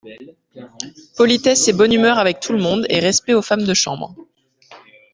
Politesse et bonne humeur avec tout le monde, et respect aux femmes de chambre…